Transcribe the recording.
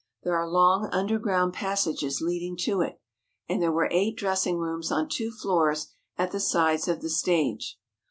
There are long underground passages leading to it, and there were eight dressing rooms on two floors at the sides of the stage.